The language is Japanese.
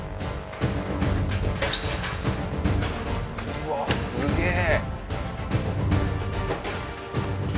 うわすげえ！